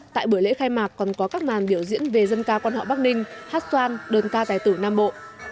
tại buổi lễ khai mạc còn có các màn biểu diễn về dân ca quan họ bắc ninh hát xoan đơn ca tài tử nam bộ